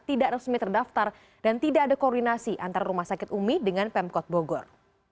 tidak resmi terdaftar dan tidak ada koordinasi antara rumah sakit umi dengan pemkot bogor